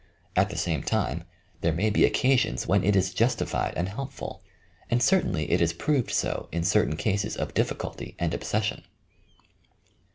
At the same time, there may be occasions when it is justi fied and helpful, and certainly it has proved so in certain cases of difficulty and obsession.